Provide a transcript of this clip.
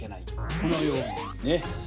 このようにね。